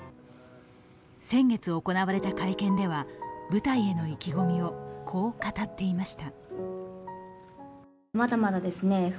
先月、行われた会見では舞台への意気込みをこう語っていました。